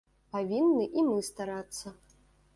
Павінны і мы старацца.